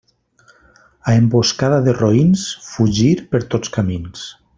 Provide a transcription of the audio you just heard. A emboscada de roïns, fugir per tots camins.